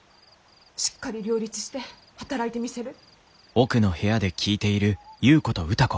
しっかり両立して働いてみせる。